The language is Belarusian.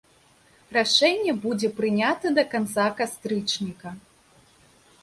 Рашэнне будзе прынята да канца кастрычніка.